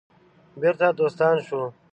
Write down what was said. بیرته دوستان شو.